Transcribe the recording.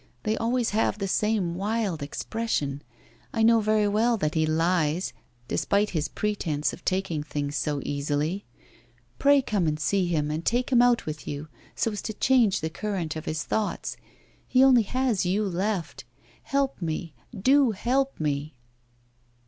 They always have the same wild expression. I know very well that he lies, despite his pretence of taking things so easily. Pray, come and see him, and take him out with you, so as to change the current of his thoughts. He only has you left; help me, do help me!